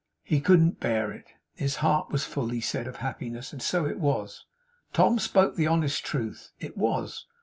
He couldn't bear it. His heart was full, he said, of happiness. And so it was. Tom spoke the honest truth. It was.